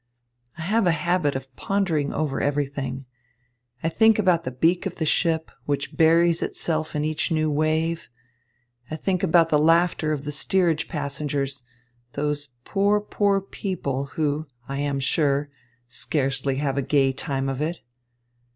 "I have a habit of pondering over everything. I think about the beak of the ship, which buries itself in each new wave. I think about the laughter of the steerage passengers, those poor, poor people, who, I am sure, scarcely have a gay time of it.